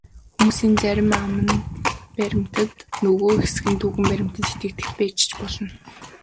Хүмүүсийн зарим нь аман баримтад, нөгөө хэсэг нь түүхэн баримтад итгэдэг байж ч болно.